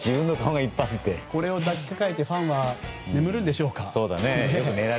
抱きかかえてファンは眠るんでしょうか。